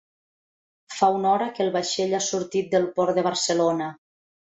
Fa una hora que el vaixell ha sortit del port de Barcelona.